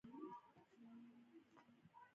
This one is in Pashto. په هر حال په دعاوو کې به دې تل یاد ساتم.